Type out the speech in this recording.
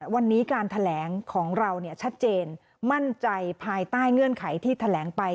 วันนี้การแถลงของเราชัดเจนมั่นใจภายใต้เงื่อนไขที่แถลงไป